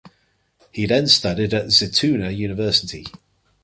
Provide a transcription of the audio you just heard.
He then studied at Zitouna University.